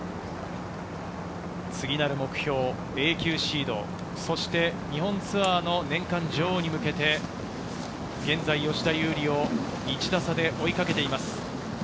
次なる目標の永久シード、そして日本ツアーの年間女王に向けて、現在、吉田優利を１打差で追いかけています。